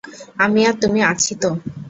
আমি আর তুমি আছি তো।